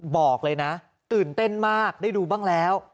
บอกเลยนะตื่นเต้นมากได้ดูบ้างแล้ว